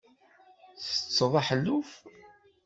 Ttetteḍ aḥelluf?